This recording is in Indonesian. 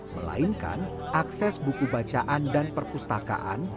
melainkan akses buku bacaan dan perpustakaan